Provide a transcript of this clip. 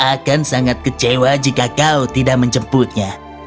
akan sangat kecewa jika kau tidak menjemputnya